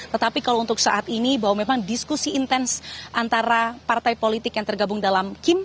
tetapi kalau untuk saat ini bahwa memang diskusi intens antara partai politik yang tergabung dalam kim